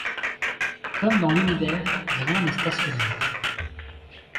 Comme dans l’univers rien n’est stationnaire